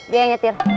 dia yang nyetir